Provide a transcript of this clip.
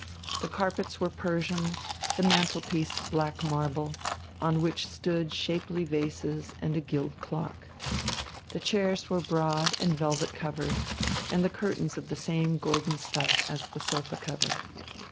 The carpets were Persian, the mantelpiece black marble, on which stood shapely vases and a gilt clock. The chairs were broad and velvet covered, and the curtains of the same golden stuff as the sofa cover.